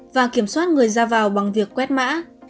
và kiểm soát người ra vào bằng việc quét mã